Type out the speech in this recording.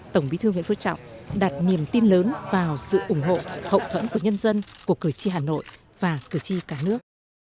tổng bí thư nguyễn phú trọng đặt niềm tin lớn vào sự ủng hộ hậu thuẫn của nhân dân của cử tri hà nội và cử tri cả nước